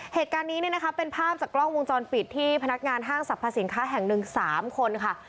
เหตุการณ์นี้เนี่ยนะคะเป็นภาพจากกล้องวงจรปิดที่พนักงานห้างสรรพสินค้าแห่งหนึ่ง๓คนค่ะ